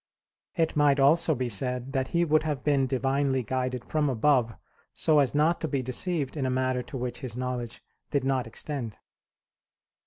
It might also be said that he would have been divinely guided from above, so as not to be deceived in a matter to which his knowledge did not extend.